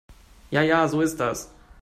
Ja ja, so ist das.